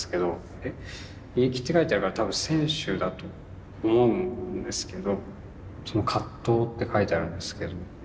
えっ「現役」って書いてあるから多分選手だと思うんですけどその「葛藤」って書いてあるんですけど。